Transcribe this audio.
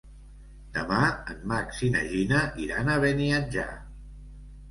Demà en Max i na Gina iran a Beniatjar.